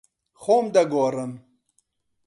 خۆم دەگۆڕم.